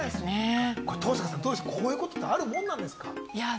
登坂さん、こういうものってあるものなんですか？